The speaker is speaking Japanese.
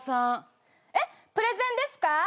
・えっプレゼンですか？